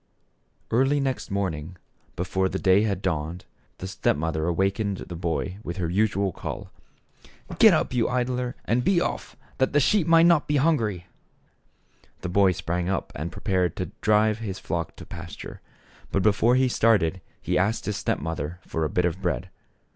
Early next morning, be fore the day had dawned, very sweetly the step mother awakened the boy with her usual call :" Get up, you idler, and be off, that the sheep may not be hungry." The boy sprang up and prepared to drive his flock to pasture ; but before he started he asked his step mother for a bit of bread.